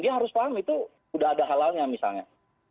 dia harus paham itu sudah ada halalnya misalnya